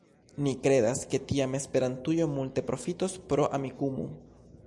Ni kredas, ke tiam Esperantujo multe profitos pro Amikumu.